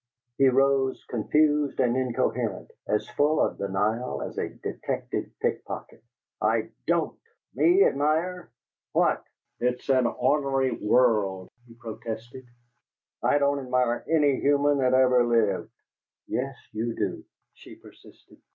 He rose, confused and incoherent, as full of denial as a detected pickpocket. "I DON'T! Me ADMIRE? WHAT? It's an ornery world," he protested. "I don't admire any human that ever lived!" "Yes, you do," she persisted.